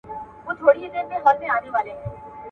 ایا ته د مفرور ناول موضوع بیانولی شې؟